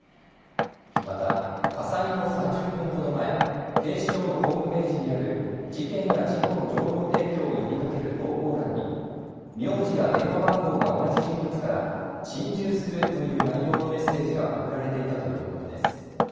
また、火災の３０分ほど前、警視庁のホームページにある事件や事故の情報提供を呼びかける投稿欄に名字や電話番号が同じ人物から心中するという内容のメッセージが送られていたということです。